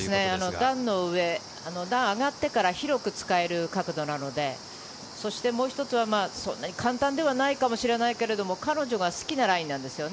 ランは上がってから広く使える角度なので、そんなに簡単ではないかもしれないけど、彼女が好きなラインなんですよね。